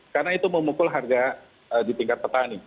karena itu memukul harga di tingkat petani